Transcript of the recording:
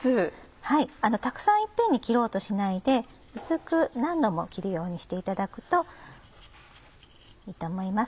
たくさん一遍に切ろうとしないで薄く何度も切るようにしていただくといいと思います。